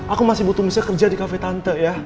aku masih butuh miss l kerja di cafe tante ya